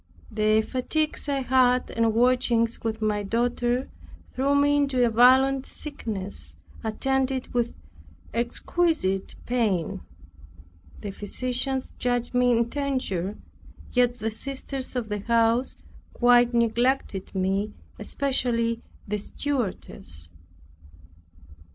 The fatigues I had, and watchings with my daughter, threw me into a violent sickness attended with exquisite pain. The physicians judged me in danger, yet the sisters of the house quite neglected me; especially the stewardess.